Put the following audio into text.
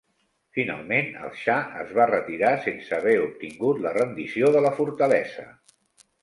Finalment el xa es va retirar sense haver obtingut la rendició de la fortalesa.